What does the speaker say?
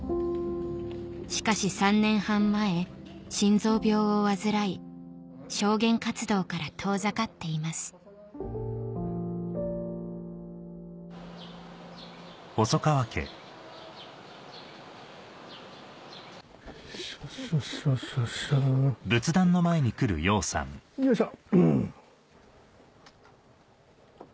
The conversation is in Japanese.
しかし３年半前心臓病を患い証言活動から遠ざかっていますよいしょ。